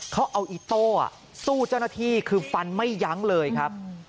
เขาเอาอิโต้สู้เจ้าหน้าที่คือฟันไม่ยั้งเลยครับ